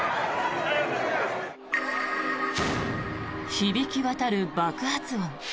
響き渡る爆発音。